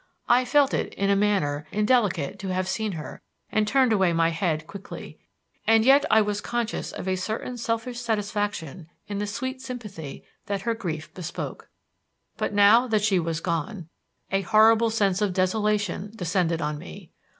I felt it, in a manner, indelicate to have seen her, and turned away my head quickly; and yet I was conscious of a certain selfish satisfaction in the sweet sympathy that her grief bespoke. But now that she was gone a horrible sense of desolation descended on me.